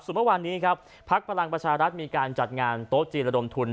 ส่วนเมื่อวานนี้ครับพักพลังประชารัฐมีการจัดงานโต๊ะจีนระดมทุน